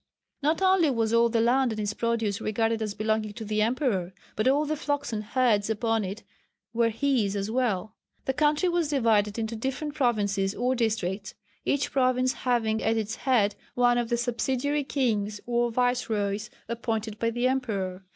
Not only was all the land and its produce regarded as belonging to the emperor, but all the flocks and herds upon it were his as well. The country was divided into different provinces or districts, each province having at its head one of the subsidiary kings or viceroys appointed by the emperor.